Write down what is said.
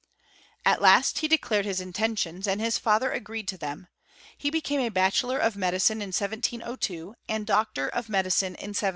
At last he declared his intentions, and his father agreed to thera ; he became bachelor of medicine in 1702, and doctor of medicine in 1704.